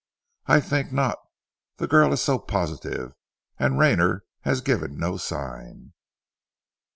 "I think not! The girl is so positive ... and Rayner has given no sign.